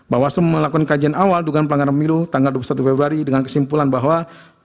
bawaslu melakukan kajian awal dugaan pelanggaran milu tanggal dua puluh satu februari dengan kesimpulan bahwa